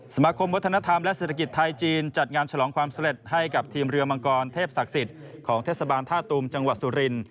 สมาคมวัฒนธรรมและเศรษฐกิจไทยจีนจัดงานฉลองความสำเร็จให้กับทีมเรือมังกรเทพศักดิ์สิทธิ์ของเทศบาลท่าตูมจังหวัดสุริน